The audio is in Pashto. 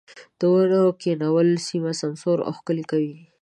د ونو کښېنول سيمه سمسوره او ښکلې کوي.